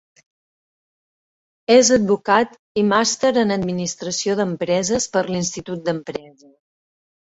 És advocat i màster en administració d'empreses per l'Institut d'Empresa.